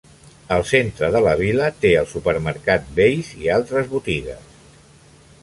El centre de la vila té el supermercat Weis i altres botigues.